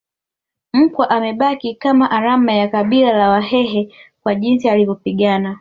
Mkwa amebaki kama alama ya kabila la Wahehe kwa jinsi alivyopigana